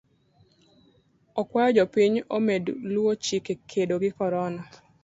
Okuayo jopiny omed luo chike kedo gi korona.